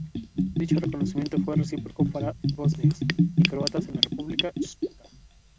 Dicho reconocimiento fue recíproco para bosnios y croatas en la República Srpska.